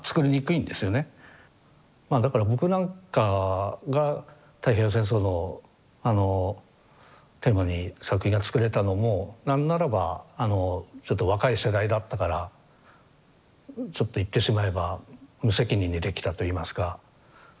まあだから僕なんかが太平洋戦争のあのテーマに作品を作れたのも何ならばちょっと若い世代だったからちょっと言ってしまえば無責任にできたといいますか。